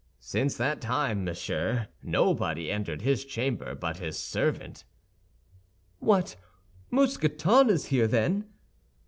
Since that time, monsieur, nobody entered his chamber but his servant." "What! Mousqueton is here, then?"